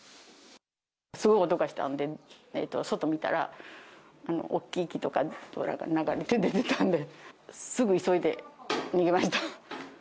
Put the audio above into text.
すごい音がしたんで外見たら、大きい木とかが流れ出てたんで、すぐ急いで逃げました。